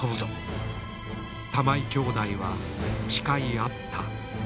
玉井兄弟は誓い合った。